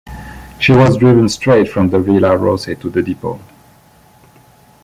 She was driven straight from the Villa Rose to the depot.